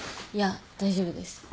いや大丈夫です。